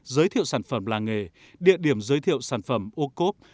giới thiệu sản phẩm làng nghề địa điểm giới thiệu sản phẩm ô cốp